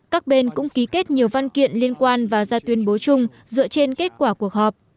các bên cũng ký kết nhiều văn kiện liên quan và ra tuyên bố chung dựa trên kết quả cuộc họp